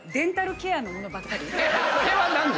・それは何で？